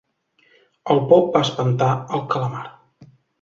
El pop va espantar al calamar.